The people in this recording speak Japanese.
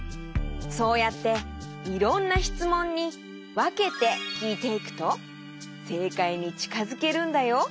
そうやっていろんなしつもんにわけてきいていくとせいかいにちかづけるんだよ。